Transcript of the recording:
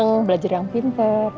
senang senang belajar yang pinter